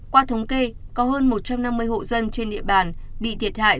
qua thống kê có hơn một trăm năm mươi hộ dân trên địa bàn bị thiệt hại